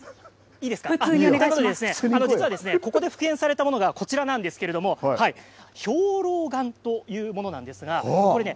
いいですか、ということでここで復元されたものが実はこちらなんですけれど兵糧丸というものなんですがこれね